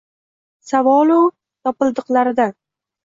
savolu topildiqlaridan.